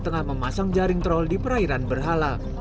tengah memasang jaring troll di perairan berhala